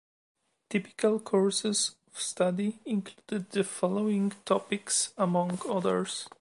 Typical courses of study included the following topics, among others.